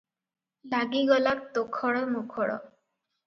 ଲାଗିଗଲା ତୋଖଡ଼ ମୋଖଡ଼ ।